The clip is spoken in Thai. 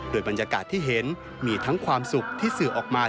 โดยบรรยากาศที่เห็นมีทั้งความสุขที่สื่อออกมา